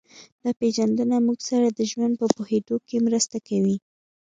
دا پېژندنه موږ سره د ژوند په پوهېدو کې مرسته کوي